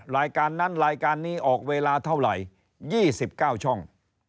รายการนั้นรายการนี้ออกเวลาเท่าไหร่๒๙ช่อง